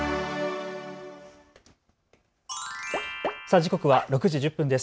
時刻は６時１０分です。